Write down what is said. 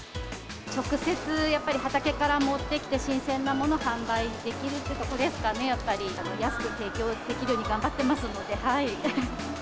直接やっぱり畑から持ってきて新鮮なものを販売できるっていうところですかね、やっぱり。安く提供できるように頑張ってますので。